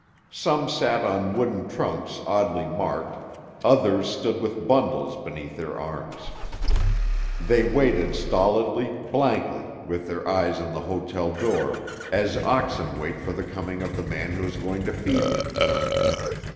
Some sat on wooden trunks oddly marked, others stood with bundles beneath their arms. They waited stolidly, blankly, with their eyes on the hotel door, as oxen wait for the coming of the man who is going to feed them.